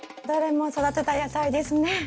どれも育てた野菜ですね。